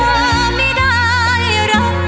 ท่าไม่ได้รักดังจริงจัย